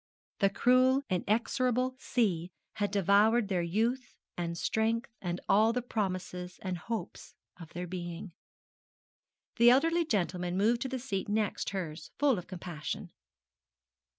The cruel inexorable sea had devoured their youth and strength and all the promises and hopes of their being. The elderly gentleman moved to the seat next hers full of compassion.